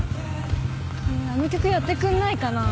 あの曲やってくんないかな。